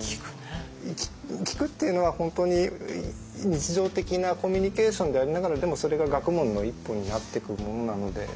「きく」っていうのは本当に日常的なコミュニケーションでありながらでもそれが学問の一歩になってくものなので。